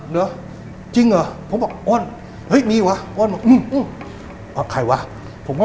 เดี๋ยวจริงหรอผมบอกอ้อนหึยมีวะอ้อนอ่ะใครวะผมก็